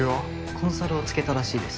コンサルをつけたらしいです